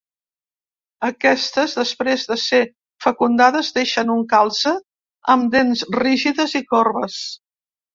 Aquestes després de ser fecundades deixen un calze amb dents rígides i corbes.